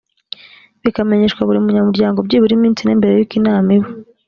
bikamenyeshwa buri munyamuryango byibura iminsi ine mbere y’uko inama iba